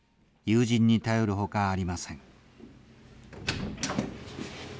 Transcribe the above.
友人に頼るほかありません。